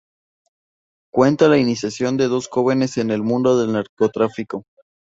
Cuenta la iniciación de dos jóvenes en el mundo del narcotráfico.